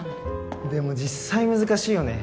でも実際難しいよね